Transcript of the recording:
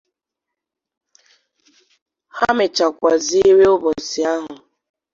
Ha mechàkwaziere ụbọchị ahụ